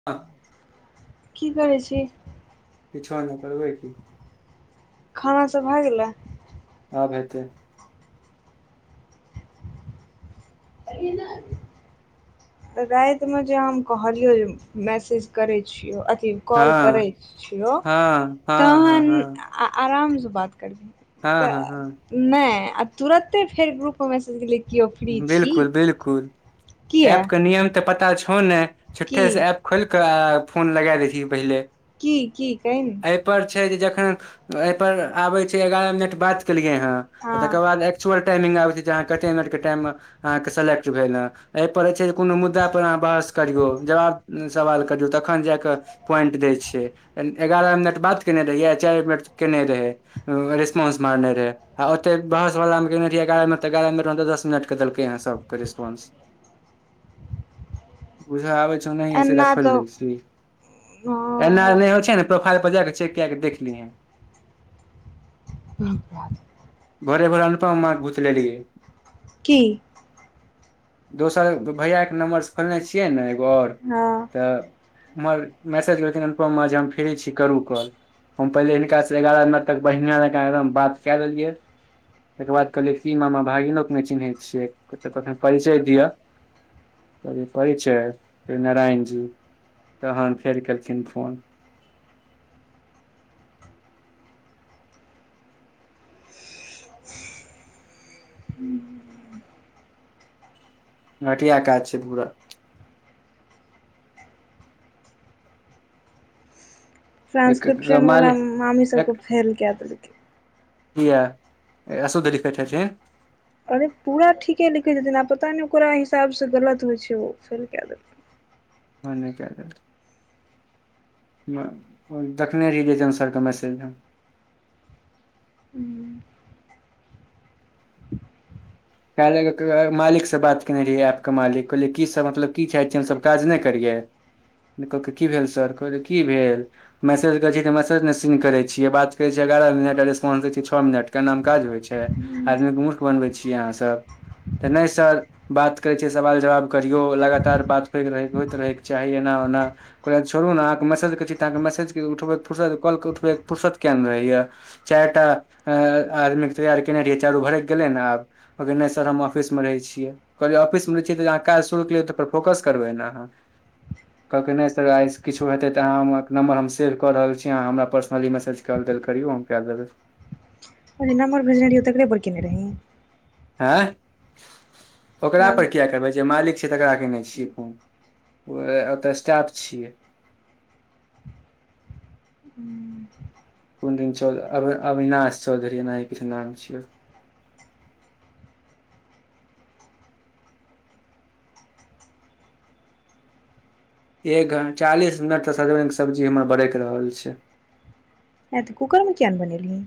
[unintelligible] की करै छी किछो नय करबै की खाना सब भए गेलै आब हेतै ने त राइति में जे हम कहलियौ जे मैसेज करैत छियौ अथी हँ कॉल करै छियो हँ हँ हँ तहन आ आराम सँ बात करबही हँ हँ त हँ हँ नय आ तुरते फेर ग्रुप में मैसेज केओ फ्री छी बिल्कुल बिल्कुल किया ऐप के नियम त पता छौ ने की झुट्ठे से ऐप खोइल क फोन लगा दैछिए पहिले कि कि कहिन ने आय पर छै जे जखन एहि पर आबे छै ग्यारह मिनट बात केलियै हा हँ तकर बाद चुनाव टाइमिंग आबै छै जे अहा मिनट के टाइम में अहाँ के सेलेक्ट भेल हे एहिपर जे छै जे कोनो मुद्दाापर अहाँ बहस करियौ जवाब सवाल करियौ तखन जा क पॉइंट दै छियै ग्यारह मिनट बात केने रहिैए आ चारि मिनट केने रहै रेस्पाउस मारने रहे आ ओतय बहस बाला केने रहिए ग्यारह मीनट त ग्यारह मीनट में त द नट क देलकै ह सब के रिस्पॉंस बूझा आबै छौ नहिये सीधा एना खोल तऽ दै छी ऐ मे और नै होय छै न प्रोफाइल पर जाक चेक्क कए के देखलीए है। ठीक [unintelligible] भोरे भर ऊपर मार घुतलै ले। कि। दोसर भैया के नंम्बरसँ खोलने छियै ने एगो और हँ तऽ। मगर मैसेज केलखिन अनुपम माँ जे हम फ्री छी करू कॉल हम पहिले हिनकासे एगारह न तक बढ़िया लका एकदम बात क दियएै। तकर बाद कहलियै ई मामा भागिनोके नहि चिन्हैत छियै कखन परिचय दिअ। परिचय नारायण जी, तहन फेर केलखिन फोन। घटिया काज छै, पूरा। एक माल ट्रान्सक्रिप्शनवला, एक मामी सभकेँ फेल कए देलकै। किया असुधरीखैत छथि। अरे पूरा ठीके लिखैत छथिन, आ पता नहि ओकरा हिसाबसँ गलत होइ छै, ओ फेल कए देथि भाने कऽ देल देखने रहि जेन सरके मैसेज हम। काल्हि मालिकसँ बात केने रहियै एपके मालिक कहलियै कीसभ मतलब की चाहै छियै हमसभ काज नहि करियै। नहि कहके की भेल सर कहल की भेल। मैसेज करैतियै तऽ मैसेज नहि सीन करैत छियै, बात करैत छियै, एगारह मिनट रेस्पॉंस दैत छियै, छओ मिनटके नाम काज होइत छै। आदमीके मूर्ख बनबै छियै, अहाँसभ तऽ नहि सर। बात करै छै, सवाल जवाब करियौ लगातार बात हो रह होइत रहै के चाही एना ओना। कहल छड़ू ने अहाँकेँ मैसज कहै छी तऽ अहाँकेँ मैसेज उठबै फर्सत काॅलके फुरसत के नहि रहैए। चारिटा अऽ आदमीके तैयार केने रहियै चारू भरकि गेलै ने आब। कहै नहि सर, हम ऑफिसमे रहै छीयै। कहलियै ऑफिसमे जा कऽ तऽ अह काज शुरू कियै तऽ फोकस करबै ने अहाँ। [inaudible] कहलकै नहि सर आइ किछो हेतै, तऽ अहाँकेँ नंम्बर हम सेव कऽ रहल छी अहाँ हमरा पर्सनली मैसेज। काल देल करियौ हम नम्बर भेजने रहियै, तकरैपर केने रहि। ह, ओकरा नाम पर किया करब जे मालिक त राखेने छियै, फन ओत स्टाफ छियै। कोन दि चौ अविनाश चौधरी एना किछु नाम छियै। एक घ चालीस मिनट सऽ सब्जी हमर बरक रहल छै। नहि तऽ कुकरमे किएक नहि बनेलियै?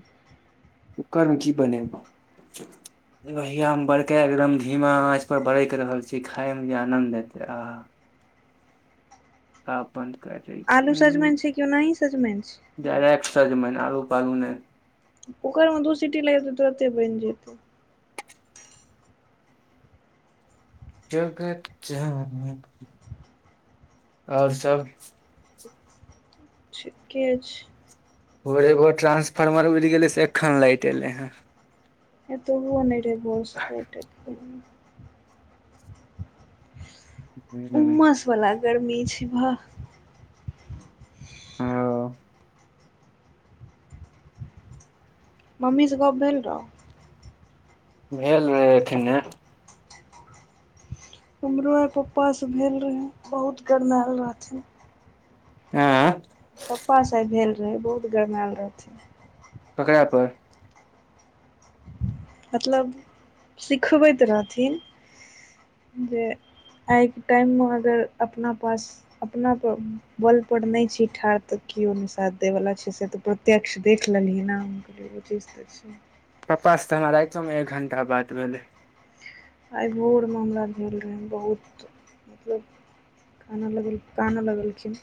कुकर मे की बनाबे [inaudible] लोहिया मे बड़का एकदम धीमा आँच पर बरक रहल छी खाय मे भ आनंद ऐते आ। आ बन्द करी। आलू सजमनि छै, केओनाही सजमनि छै? डायरेक्ट सजमनि आलू पालू नहि। कुकरमे दू सीटी लतै तऽ तरंते बनि जेतै [unintelligible] आओर सभ ठिके छै। भोरे भोरे ट्रंसफार्मर उड़ि गेलै से एखन लाइट एले हैं। एतोह नै रही भोर सँ लाइट हु। वला गर्मी छै वाह। अहा मम्मीसे गप भेल रहौ? भेल रहेथिन अखने हमरो आइ पप्पासँ भेल रहै बहुत गरमायल रहथिन। आँ पप्पा सा आय भेल रहै बहुत गरमायल रहथिन ककरा पर मतलब सिखबैत रहथिन जे आइके टाइममे अगर अपना पास अपना पर बल पर नहि छी ठाढ़ त किओ नय साथ दय वाला छै से त प्रत्यक्ष देख लेलह न हम ओ चीज त पप्पास से त हमरा राशियों मे एक घण्टा बात भेलै आइ भोरमे हमरा भेल रहय बहुत मतलब एना लगलै कानय लगलखिन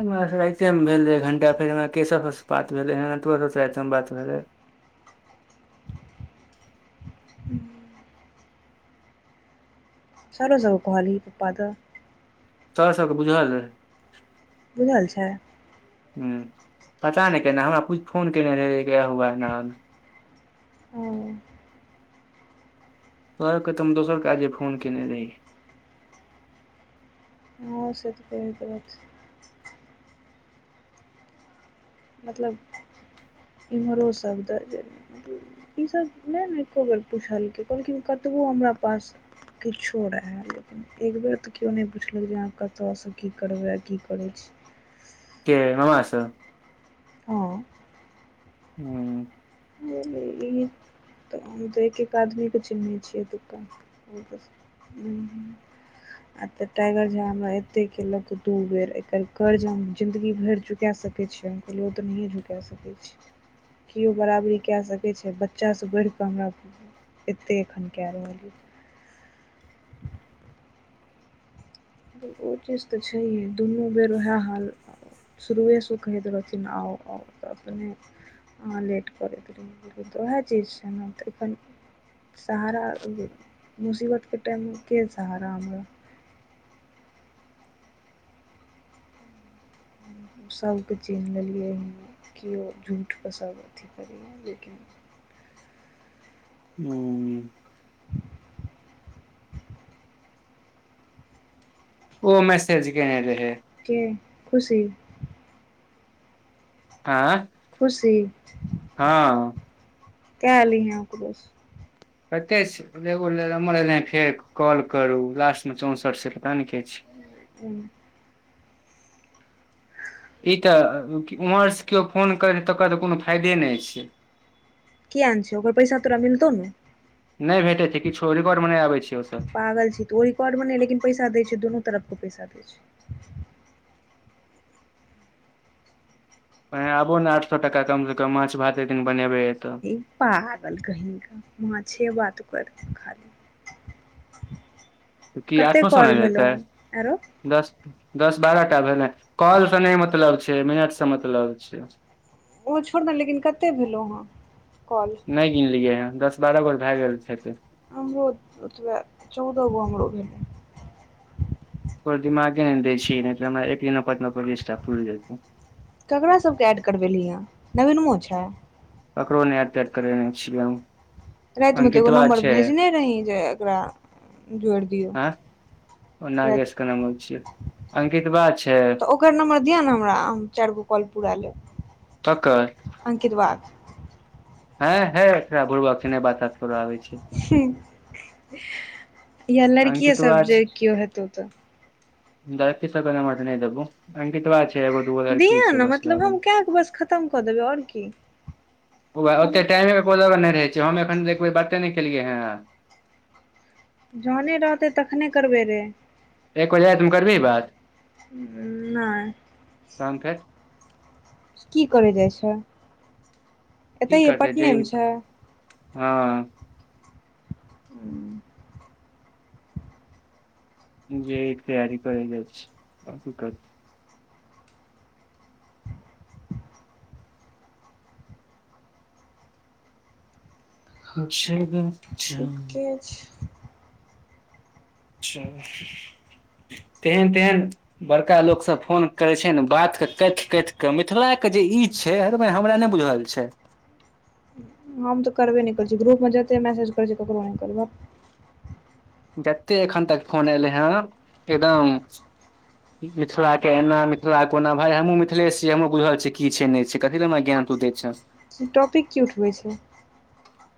हमरा त राइते मे भेल रहै एक घंटा फेर हमरा केशव से बात भेलैहं तोहरो स़े एहि मे बात भेले [inaudible] छौड़ौ सब के कहलिही पप्पा द तोरा सबके बुज हल हय बुझल छै हूं पता नइ केना हमरा फोन केने रहै क्या हुआ नान हं कहल के त हम दोसर काजे फोन केयने रहहिय हँ से तपे भ मतलब इमहरो सब द जे ईसभ नय ने एको बेर पुछलकै कहलखिन कतबो हमरा पास किछो रहय लेकिन एक बेर त केओ नहि पुछलक जे अहाँ कतयसँ की करबै आ की करै छी के मामा सब हँ हूँ ई त हम त एक एक आदमी के चिन्हैछियै एतुका [unintelligible] आ त टाइगर झा हमरा एते केलक दू बेर एकर कर्ज हम जिन्दगी भरि चुका सक छै कहलीय ओ त नहिए झुका सकै छै बराबरी कए सकै छै बच्चासे बढ़िक‌ हमरा एते एखन कए रहल य‌ ओ चीज त छैहे दुनू बेर उएह हाल शुरूएसे ओ कहैत रहथिन आउ आउ त‌ अपने आ लेट करैत रहै त ओहे चीज छै न त सहारा मुसीबतके टाइममे के सहारा हमरा सभबके चिन्ह लेलियै हन कि ओ झूठ पस अथ करीए लेकिन हूं ओ मैसेज केने रहै के खुशी आँ खुशी हँ कै लिहे ओकरो से कते छै एगो नमर एले फेर कॉल करू लास्ट मे चौंसठ से पता नइ के छै ह [inaudible] ई त उम्हर से केओ फोन करे तकर त कोनो फायदे नइ छै किया नै छै ओकर पैसा तोरा मिलतौ ने नइ भेटै छै किछो नइ आबै छै ओ सब पागल छी तु ओ रिकॉर्ड मे नइ लेकिन पैसा दै छै दुनू तरफ के पैसा दै छै ए आबो ने आठ सौ टका कमसँ कम माछ भात एक दिन बनेबे एतअ ई पाागल कहीं का माछे बात करथि खाली की कते आठो सए कॉल नहि भेलौ देतै ह एरो दस दस बारहटा भेलै कॉलसँ नइ मतलब छै। मिनटसँ मतलब छै। उ छोड़ न लेकिन कते भेलहुँ हैं कॉल? गीनलियै हैं दस बारह काॅल भए गेल छै। हमरो ओतबे चौदहगो हमरो भेलै। को दिमागे नइ दै छै, नई तऽ हमरा एक दिनमे पन्द्रह बिस्ता पूरी जैतै। ककरा सभ के ऐड करबेलहि हँ नवीनमो छै? ककरो नइ एड तैड करबेने छियै हम। रातिमे तऽ एगो अंकितवा नम्बर छै भेजने रही जे एकरा जोड़ि दियौ। आँ ओ राति नागेशके नम्बर छियै अंकितबा छै। तऽ ओकर नम्बर दिअ ने, हमरा हम चारगो कॉल पूरा लेब। ककर? अंकितबा कऽ हँ, है बुर्बक छै, नै बात ताट करू आबे छी। या लड़कीए अंकितवा सभ जे छै केओ हेतौ तऽ। लड़की सभ के तऽ नहि देबू अंकितबा छै ऐगो। दिहुँ ने नम्बर, मतलब हम कऽ कऽ बस खत्म कऽ देबै, आओर की। ओते हम टाइमे को जगह नहि रहै छै, हम एखन एकबे बाते नहि केलियै हे। जहने रहतै तखने करबै रे। एक बजे राइत मे करबही बात? नै तखन फेर की करै जाइ छै। की एतहिए करतै जे पटनेमे छै हैं हू। जाए, तैयारी करै जा, शुरू कर। अच्छा। ठीके छै। अच्छा, तेहेन तेहेन। बड़का लोक सभ फोन करे छै, ने बात के कथ कथ के मिथिलाके जे ई छै, हर हमरा नहि बुझल छै। हम तऽ करबे नहि करै छियै, ग्रुपमे जते मैसेज करै छिये ककरो नहि करबह। जते एखन तक फोन एलै हैं एकदम। मिथिलाके एना मिथिला कोना भाय हमहुँ मिथिले छियै हमहहु बुझल छिये छै, नहि छै, की हमरा ज्ञान तू देय छ टॉपिक की उठबै छै?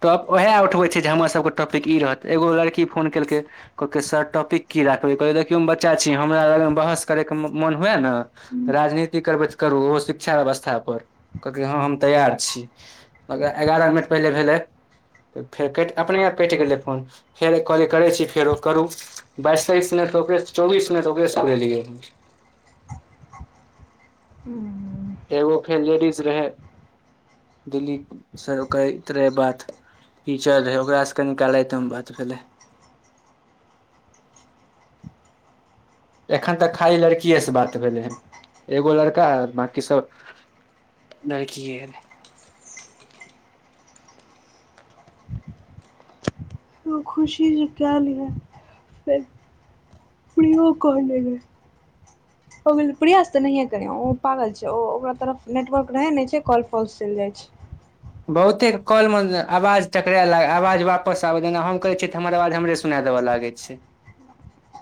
टॉप उएह उठबै छै, जे हमरासके टॉपिक ई रहत एगो लड़की फोन केलकै। कहलै सर टॉपिक की राखबै कहलिए देखिय हम बच्चा छी हमरा लगमे बहस करैके मोन हुए ने। राजनीति करबै तऽ करू ओहो शिक्षा व्यवस्था पर कहलकै ह, हम तैयार छी। औकरा एगारह मिनट पहिले भेले। तऽ फेर कटि अपने आप कटि गेलै फोन फेर कहलै करै छी फेरो करू। बाइस तेइस मिनट होके, चौबीस मिनट हिनके लियए हू। एगो फेर लेदीज रहै, दिल्ली सर करैत रहै बात। टीचर रहै, ओकरासँ रात मे कनि बात भेल रहै। एखन तऽ खाली लड़कीए से बात भेलै एगो लड़का बाकी सभ लड़किए रहै। तऽ खुशी जे कए लऽ फेर फ़ेरो कऽ लेबे ओहि प्रियास तऽ नहिए करे ओ पागल छै, ओकरा तरफ नेटवर्क रहै नहि छै, कॉल पौसे चैल जाइ छै। बहुते कलमे आवाज टकरा लाग आवाज वापस आबे जेना हम करे छियै तऽ हमर आवाज हमरे। सुने देबा लागै छै।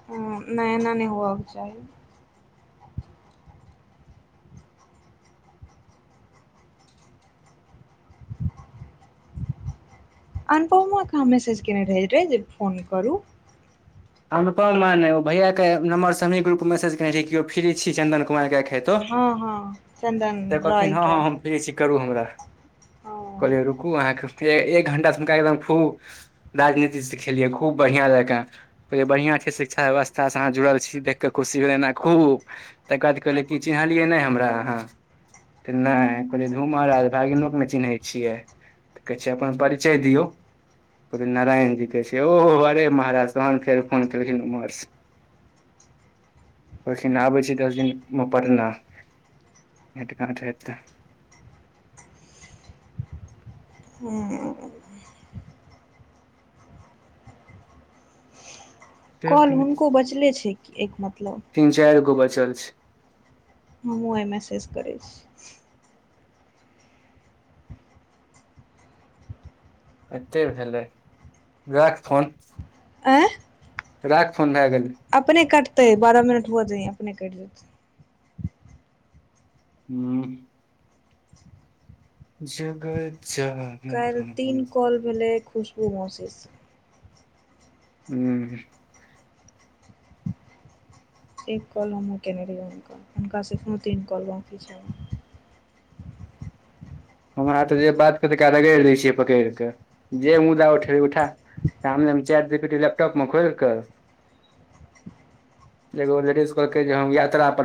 हँ नहि एना नहि हुवाके चाही। अनुपवमे कऽ मैसेज कयने रहैत रहै जे फोन करू। अनुपम भैया के नम्बर सही ग्रुपमे भेजने छै? केओ फ्री छी? चन्दन कुमारके। हँ, हँ, चन्दन रॉय कऽ करु हमरा, कहलिय रुकु अहाँकेँ एक घण्टासे हुनका एकदम खूब राजनीतिसँ खेलियै खूब बढ़िआ जकऽ। कहलै बढ़िआ छै, शिक्षा व्यवस्थासँ अहाँ जुड़ल छी, देख कऽ खुशी भेलै एना खूब। ता बाद कहलै कि चिन्हलियै नहि हमरा अहाँ? तऽ नहि कहलियै धूम आ भागिनोक ने चिन्है छियै। तऽ कहै छै, अपन परिचय दियौ, नारायण जी कहै छै, ओ हरे महाराज। तहन फेर फोन केलखिन उमहर। ओखिन आबै छै, दस दिनमे पटना। भेट घाट हेते। हू। कल हुनको बचले छै, एके मतलब। तीन चारि गो बचल छै। हमु आइ मेसज करे छी। एते भेलै, राख फोन। आँ? राख फोन भए गले अपने कटतै बारह मिनट होइ दैही अपने कटि देतै। हू। जगद ज काल्ह तीन कॉल भेलै खुशबू मौसिसँ हू। एक कॉल केने रहियै हुनका, हुनकासँ एखनहुँ तीन कलम छी। हमरा तऽ जे बात कतका रगड़ि दै छियै, पकड़ि कऽ जे मुदा उठे उठा सामनेमे चैटजीपीटी लैपटॉपमे खोलि कऽ। [inaudible] एगो लेडीज कहलके जे हम यात्रा पर।